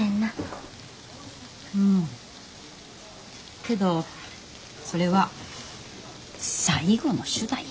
けどそれは最後の手段や。